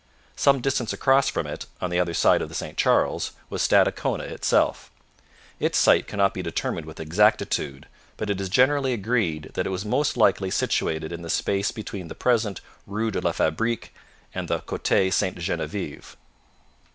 Some distance across from it, on the other side of the St Charles, was Stadacona itself. Its site cannot be determined with exactitude, but it is generally agreed that it was most likely situated in the space between the present Rue de la Fabrique and the Cote Sainte Genevieve.